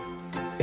え？